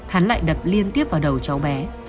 hắn lại đập liên tiếp vào đầu cháu bé